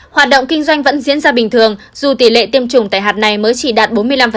hoạt động kinh doanh vẫn diễn ra bình thường dù tỷ lệ tiêm chủng tại hạt này mới chỉ đạt bốn mươi năm